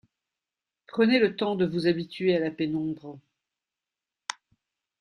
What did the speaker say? Prenez le temps de vous habituer à la pénombre.